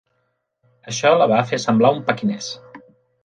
Això la va fer semblar un pequinès.